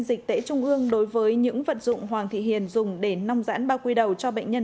dịch tễ trung ương đối với những vật dụng hoàng thị hiền dùng để nong giãn bao quy đầu cho bệnh nhân